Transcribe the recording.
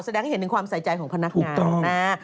แสดงให้เห็นถึงความใส่ใจของพนักงาน